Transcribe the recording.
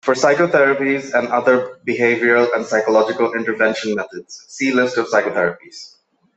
For psychotherapies and other behavioral and psychological intervention methods, see list of psychotherapies.